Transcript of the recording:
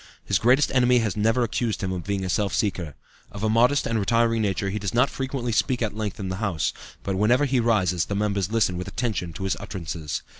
His greatest enemy has never accused him of being a self seeker. Of a modest and retiring nature, he does not frequently speak at length in the House, but whenever he rises the members listen with attention to his utterances.